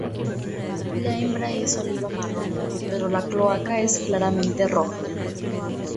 La hembra es oliva-marrón, pero la cloaca es claramente roja.